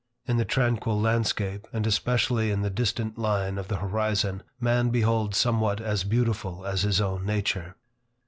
In the tranquil landscape, and especially in the distant line of the horizon, man beholds somewhat as beautiful as his own nature.